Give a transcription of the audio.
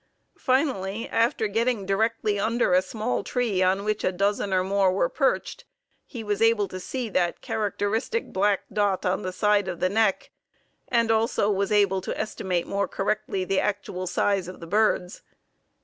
Finally, after getting directly under a small tree on which a dozen or more were perched, he was able to see that characteristic black dot on the side of the neck, and was also able to estimate more correctly the actual size of the birds.